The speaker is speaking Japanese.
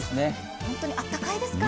本当にあったかいですから。